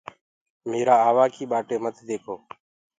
ميرآ آوآ ڪي ٻآٽي مت ديکو۔